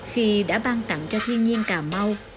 khi đã ban tặng cho thiên nhiên cà mau